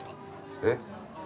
えっ？